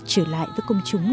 trở lại với công chúng